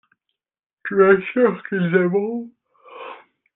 tu es sûr qu'ils aimeront.